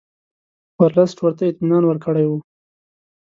ورلسټ ورته اطمینان ورکړی وو.